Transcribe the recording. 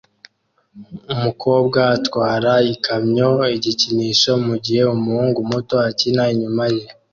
Umukobwa atwara ikamyo igikinisho mugihe umuhungu muto akina inyuma ye